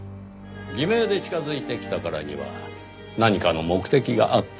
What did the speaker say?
偽名で近づいてきたからには何かの目的があったはず。